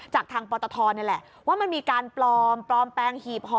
จากทางปตทนี่แหละว่ามันมีการปลอมปลอมแปลงหีบห่อ